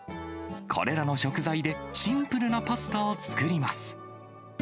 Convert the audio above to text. これらの食材でシンプルなパスタを作ります。